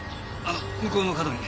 向こうの角に。